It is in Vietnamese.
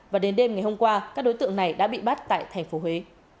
và đến đêm ngày hôm qua các đối tượng này đã bị bắt tại thành phố huế